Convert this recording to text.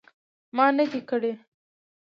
ما نه دي کړي